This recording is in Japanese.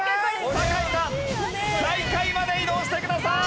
酒井さん最下位まで移動してください。